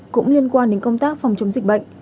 cũng liên quan đến công tác phòng chống dịch bệnh